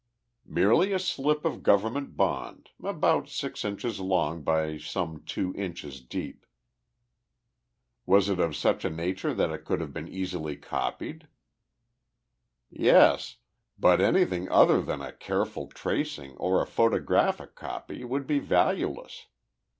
"Merely a slip of government bond, about six inches long by some two inches deep." "Was it of such a nature that it could have been easily copied?" "Yes, but anything other than a careful tracing or a photographic copy would be valueless.